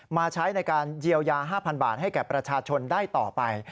ใช้ในการเยียวยา๕๐๐บาทให้แก่ประชาชนได้ต่อไป